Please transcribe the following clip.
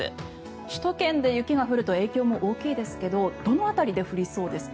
首都圏で雪が降ると影響が大きいですがどの辺りで降りそうですか？